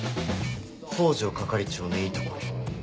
北条係長のいいところ。